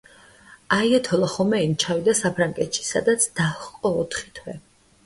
აიათოლა ხომეინი ჩავიდა საფრანგეთში, სადაც დაჰყო ოთხი თვე.